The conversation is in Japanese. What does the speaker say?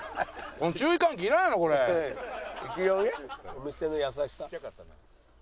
お店の優しさ。